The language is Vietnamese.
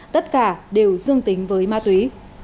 tất cả đều dương tính với ma túy